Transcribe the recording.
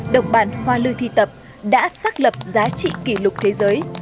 độc bản hoa lưu thi tập đã xác lập giá trị kỷ lục thế giới